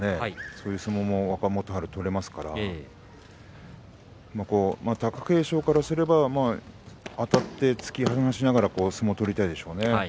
そういう相撲も若元春、取れますから貴景勝からすればあたって突き放しながら相撲を取りたいでしょうね。